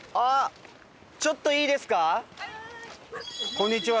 こんにちは。